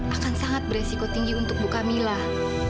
akan sangat beresiko tinggi untuk bu kamilah